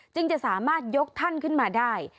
จึงจะสามารถยกท่านขึ้นมาได้